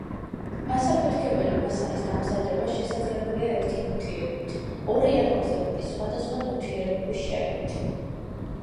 ასაფეთქებელი მასალის დამზადება შესაძლებელია ერთი ნივთიერებით, ორი ან ორზე მეტი სხვადასხვა ნივთიერებების შერევით.